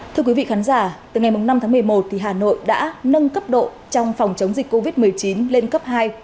thưa quý vị khán giả từ ngày năm tháng một mươi một hà nội đã nâng cấp độ trong phòng chống dịch covid một mươi chín lên cấp hai